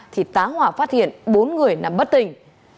thì tá hỏa phát hiện bốn người nằm bất tỉnh